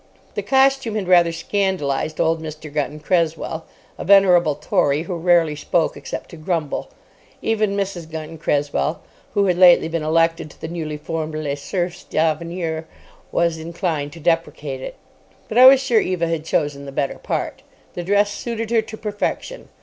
The costume had rather scandalised old Mr. Gunton Cresswell, a venerable Tory who rarely spoke except to grumble. Even Mrs. Gunton Cresswell, who had lately been elected to the newly formed Les Serfs d'Avenir, was inclined to deprecate it. But I was sure Eva had chosen the better part. The dress suited her to perfection.